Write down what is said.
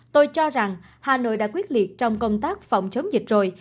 tôi cho rằng hà nội đã quyết liệt trong công tác phòng chống dịch rồi